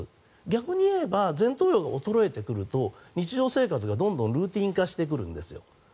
逆にいえば前頭葉が衰えてくると日常生活がどんどんルーチン化してくるんですよ。